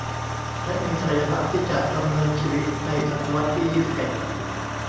และมีศักยภาพที่จะดำเนินชีวิตในศตวรรษที่ยี่สิบเอ็ด